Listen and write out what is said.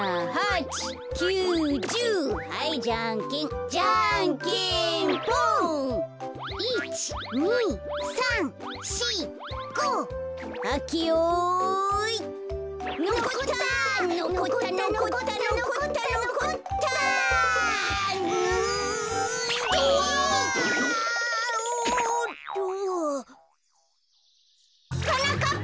はなかっぱ！